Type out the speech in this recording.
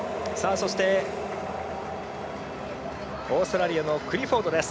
そして、オーストラリアのクリフォードです。